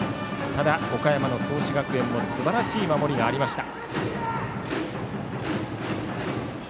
ただ、岡山の創志学園もすばらしい守りがありました。